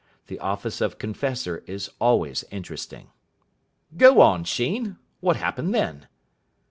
The office of confessor is always interesting. "Go on, Sheen. What happened then?"